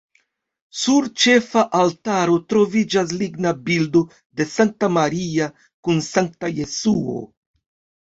Sur ĉefa altaro troviĝas ligna bildo de Sankta Maria kun sankta Jesuo.